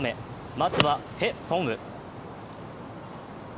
まずはペ・ソンウ。